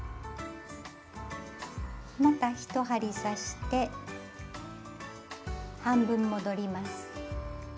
また１針刺して半分戻ります。